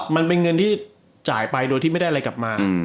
มันเป็นเงินที่จ่ายไปโดยที่ไม่ได้อะไรกลับมา